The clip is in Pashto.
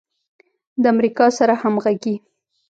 د امریکا سره همغږي